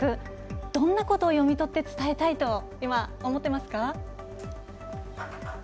どんなことを読み取って伝えたいと今、思っていますか？